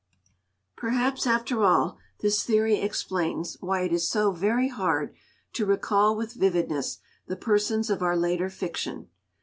Perhaps, after all, this theory explains why it is so very hard to recall with vividness the persons of our later fiction.